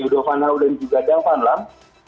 yaudo van hout dan juga dang van lam